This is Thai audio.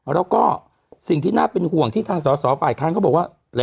แล้วก็สิ่งที่น่าเป็นห่วงที่ทางสอสอฝ่ายค้านเขาบอกว่า